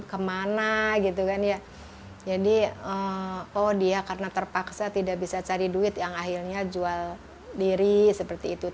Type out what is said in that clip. kemana gitu kan ya jadi oh dia karena terpaksa tidak bisa cari duit yang akhirnya jual diri seperti itu